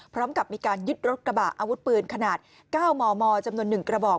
พร้อมกับมีการยึดรถกระบะอาวุธปืนขนาด๙มมจำนวน๑กระบอก